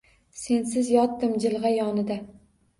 Sensiz yotdim jilg‘a yonida